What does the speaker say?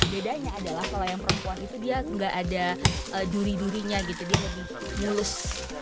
bedanya adalah kalau yang perempuan itu dia nggak ada duri durinya gitu dia lebih mulus